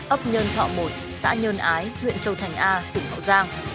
ốc nhân thọ mội xã nhân ái huyện châu thành a tỉnh hậu giang